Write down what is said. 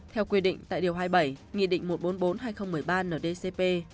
theo quy định tại điều hai mươi bảy nghị định một trăm bốn mươi bốn hai nghìn một mươi ba ndcp